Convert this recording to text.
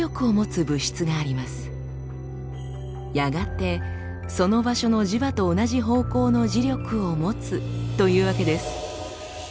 やがてその場所の磁場と同じ方向の磁力を持つというわけです。